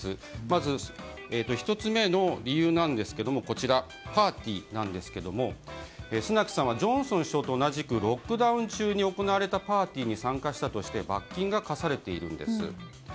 まず、１つ目の理由ですがパーティーなんですがスナクさんはジョンソン首相と同じくロックダウン中に行われたパーティーに参加したとして罰金が科されているんです。